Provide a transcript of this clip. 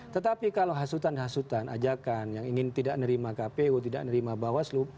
tetapi kalau hasutan hasutan ajakan yang ingin tidak nerima kpu tidak menerima bawaslu